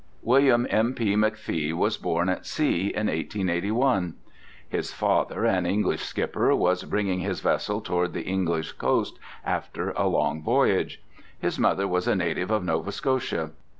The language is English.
William M.P. McFee was born at sea in 1881. His father, an English skipper, was bringing his vessel toward the English coast after a long voyage. His mother was a native of Nova Scotia.